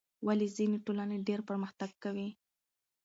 ولې ځینې ټولنې ډېر پرمختګ کوي؟